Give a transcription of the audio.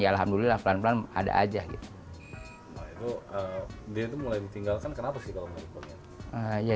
alhamdulillah pelan pelan ada saja